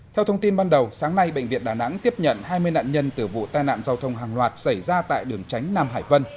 theo thông tin ban đầu sáng nay bệnh viện đà nẵng tiếp nhận hai mươi nạn nhân từ vụ tai nạn giao thông hàng loạt xảy ra tại đường tránh nam hải vân